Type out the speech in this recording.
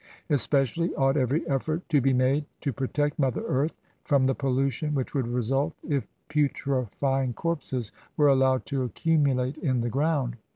Especially ought every effort to be made to protect Mother Earth from the pollution which would result if putrefying corpses were allowed to accumulate in the ground.